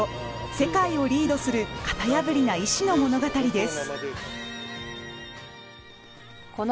世界をリードする型破りな医師の物語です。